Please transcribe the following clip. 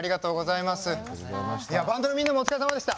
いやバンドのみんなもお疲れさまでした。